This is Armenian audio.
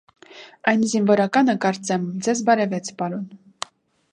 - Այն զինվորականը, կարծեմ, ձեզ բարևեց, պ.